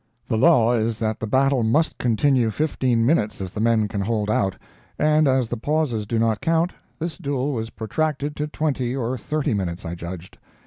The law is that the battle must continue fifteen minutes if the men can hold out; and as the pauses do not count, this duel was protracted to twenty or thirty minutes, I judged.